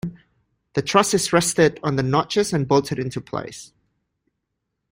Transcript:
The truss is rested on the notches and bolted into place.